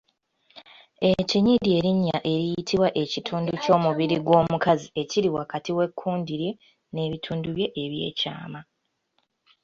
E kinnyi ly'erinnya eriyitibwa ekitundu ky’omubiri gw’omukazi ekiri wakati w’ekkundi lye n’ebitundu bye ebyekyama.